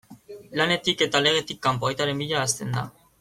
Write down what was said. Lanetik eta legetik kanpo, aitaren bila hasten da.